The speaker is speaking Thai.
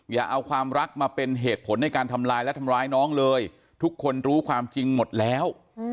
อย่าเอาความรักมาเป็นเหตุผลในการทำลายและทำร้ายน้องเลยทุกคนรู้ความจริงหมดแล้ว